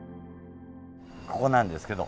ここなんですけど。